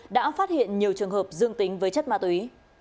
đã phát hiện nhiều trường hợp dương tính với chất ma túy